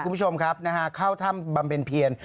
คุณผู้ชมครับข้าวถ้ำบำเป็นเพียน